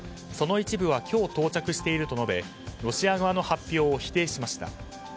その一部は今日、到着していると述べロシア側の発表を否定しました。